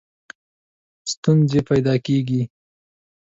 ستونزي پیدا کړي.